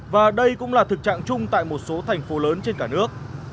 và đây cũng là thực trạng chung tại một số thành phố lớn trên cả nước